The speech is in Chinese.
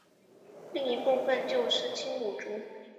另一部分就是青羌族。